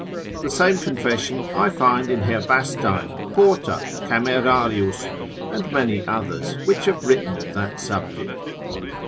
The same confession I find in Herbastein, Porta, Camerarius, and many others, which have written of that subject.